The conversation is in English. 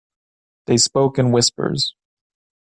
They spoke in whispers.